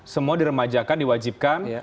semua diremajakan diwajibkan